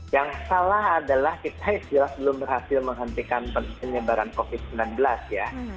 yang salah adalah kita istilah belum berhasil menghentikan penyebaran covid sembilan belas ya